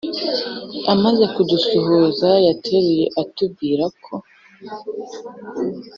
Amaze kudusuhuza yateruye atubwira ko